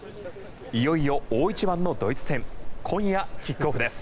いよいよ大一番のドイツ戦今夜キックオフです。